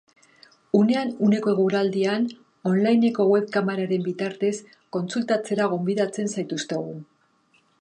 Unean-uneko eguraldian on lineko webkamararen bitartez kontsultatzera gonbidatzen zaituztegu.